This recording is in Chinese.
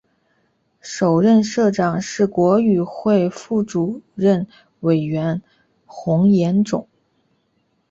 首任社长是国语会副主任委员洪炎秋。